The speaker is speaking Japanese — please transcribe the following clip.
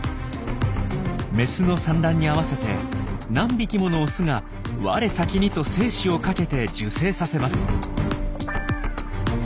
メスの産卵に合わせて何匹ものオスがわれさきにと精子をかけて受精させます。